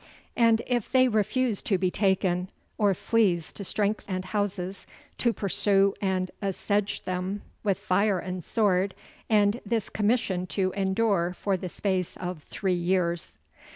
And if they refuse to be taken, or flees to strengths and houses, to pursue and assege them with fire and sword; and this commission to endure for the space of three years."